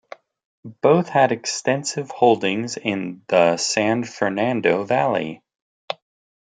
Both had extensive holdings in the San Fernando Valley.